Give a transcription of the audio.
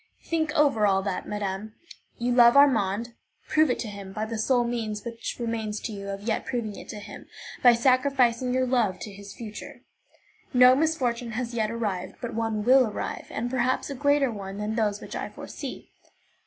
Think over all that, madame. You love Armand; prove it to him by the sole means which remains to you of yet proving it to him, by sacrificing your love to his future. No misfortune has yet arrived, but one will arrive, and perhaps a greater one than those which I foresee.